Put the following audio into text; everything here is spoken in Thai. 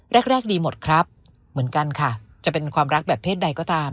แรกดีหมดครับเหมือนกันค่ะจะเป็นความรักแบบเพศใดก็ตาม